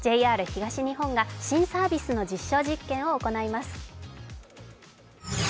ＪＲ東日本が新サービスの実証実験を行います。